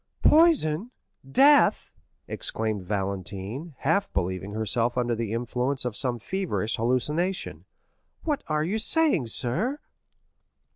"Poison—death!" exclaimed Valentine, half believing herself under the influence of some feverish hallucination; "what are you saying, sir?"